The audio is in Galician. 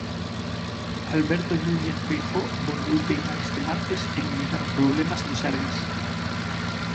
Alberto Núñez Feijóo volveu teimar este martes en negar problemas no Sergas.